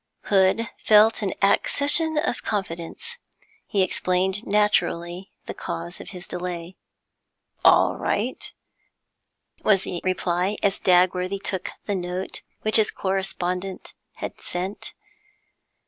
Hood felt an accession of confidence; he explained naturally the cause of his delay. 'All right,' was the reply, as Dagworthy took the note which his correspondent had sent.